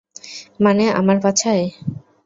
মানে, আমার পাছায়?